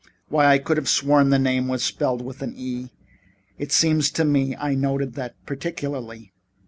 Why, I could have sworn that name was spelled with an E. It seems to me I noted that particularly."